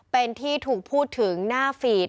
เป็นที่ถูกพูดถึงหน้าฟีด